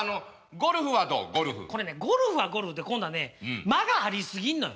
ゴルフはゴルフで今度はね間がありすぎんのよ。